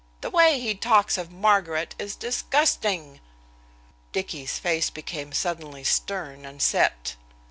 The way he talks of Margaret is disgusting." Dicky's face became suddenly stern and set.